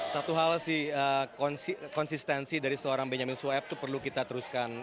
satu hal sih konsistensi dari seorang benyamin sueb itu perlu kita teruskan